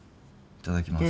いただきます。